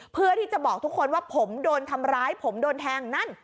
เพื่อที่จะบอกทุกคนว่าผมโดนทำร้ายผมโดนแทงนั่น